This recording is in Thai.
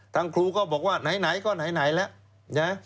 ทางครูก็บอกว่าไหนไหนทั้งยังไหน